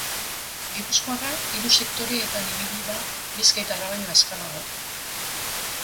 Gipuzkoarra hiru sektoreetan ibili da bizkaitarra baina azkarrago.